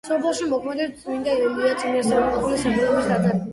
სოფელში მოქმედებს წმინდა ელია წინასწარმეტყველის სახელობის ტაძარი.